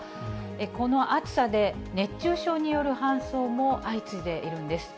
この暑さで熱中症による搬送も相次いでいるんです。